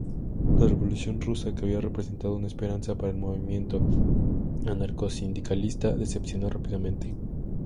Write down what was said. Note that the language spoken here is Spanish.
La revolución rusa, que había representado una esperanza para el movimiento anarcosindicalista, decepcionó rápidamente.